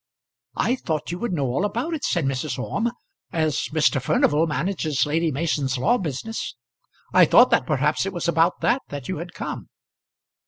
"I thought you would know all about it," said Mrs. Orme, "as Mr. Furnival manages Lady Mason's law business. I thought that perhaps it was about that that you had come."